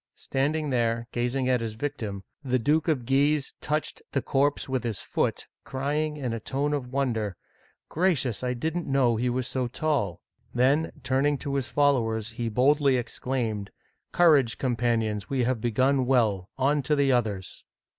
Standing there, gazing at his victim, the Duke of Guise touched the corpse with his foot, crying in a tone of wonder, " Gra cious, I didn't know he was so tall !"^ Then, turning to his followers, he boldly exclaimed :" Courage, companions, we have begun well. On to the others